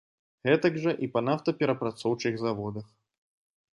Гэтак жа і па нафтаперапрацоўчых заводах.